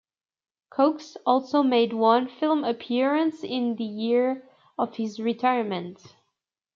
Cokes also made one film appearance in the year of his retirement.